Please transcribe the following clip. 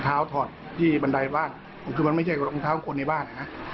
คุณค้าวถอดที่บันไดบ้านเราก็ไม่ใช่คุณค้าวในบ้าน